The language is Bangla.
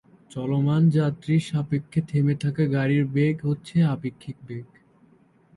চলমান যাত্রীর সাপেক্ষে থেমে থাকা গাড়ির বেগ হচ্ছে আপেক্ষিক বেগ।